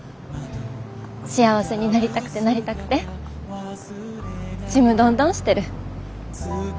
幸せになりたくてなりたくてちむどんどんしてる。